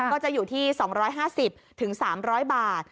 ก็จะอยู่ที่๒๕๐๓๐๐บาท